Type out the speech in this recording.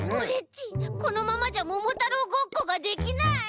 ちこのままじゃ「ももたろう」ごっこができない！